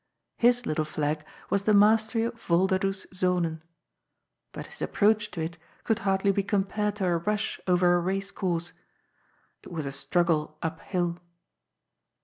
HU little flag was the mastery of Volderdoes Zonen. But his approach to it could hardly be compared to a rush over a race course. It was a struggle uphill.